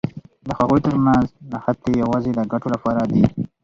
د هغوی تر منځ نښتې یوازې د ګټو لپاره دي.